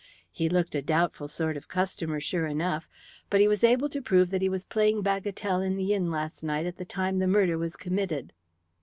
He looked a doubtful sort of a customer, sure enough, but he was able to prove that he was playing bagatelle in the inn last night at the time the murder was committed."